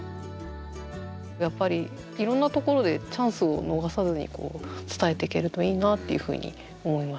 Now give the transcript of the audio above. やっぱりいろんなところでチャンスを逃さずに伝えていけるといいなっていうふうに思いました。